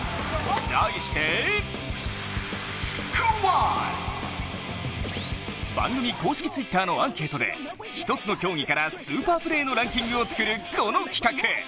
題して番組公式Ｔｗｉｔｔｅｒのアンケートで１つの競技からスーパープレーのランキングを作るこの企画。